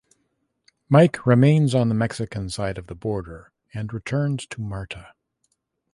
Mike remains on the Mexican side of the border and returns to Marta.